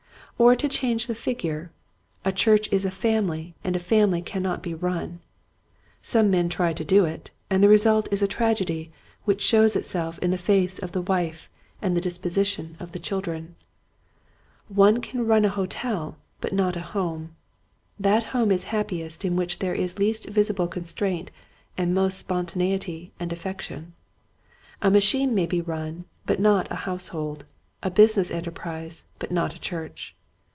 Or to change the figure, a church is a family and a family cannot be run. Some men try to do it and the re sult is a tragedy which shows itself in the face of the wife and the disposition of the 122 Quiet Hijtts to Growing Preachers. children. One can run a hotel but not a home. That home is happiest in which there is least visible constraint and most spontaneity and affection. A machine may be run but not a household, a busi ness enterprise but not a church.